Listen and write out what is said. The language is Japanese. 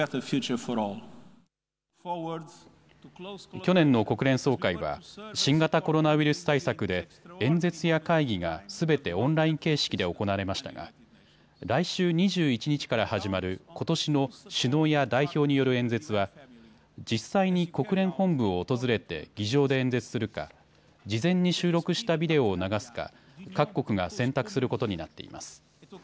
去年の国連総会は新型コロナウイルス対策で演説や会議がすべてオンライン形式で行われましたが来週２１日から始まることしの首脳や代表による演説は実際に国連本部を訪れて議場で演説するか事前に収録したビデオを流すか各国が選択することになっています。